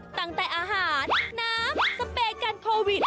ตั้งแต่อาหารน้ำสเปย์กันโควิด